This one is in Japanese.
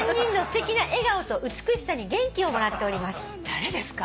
誰ですか？